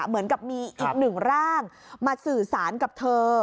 เหมือนกับมีอีกหนึ่งร่างมาสื่อสารกับเธอ